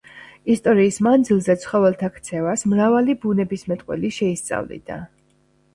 ისტორიის მანძილზე ცხოველთა ქცევას მრავალი ბუნებისმეტყველი შეისწავლიდა.